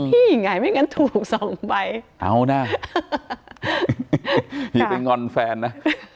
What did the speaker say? พี่ไงไม่งั้นถูกสองใบเอานะพี่ไปงอนแฟนนะ